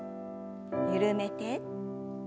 緩めて。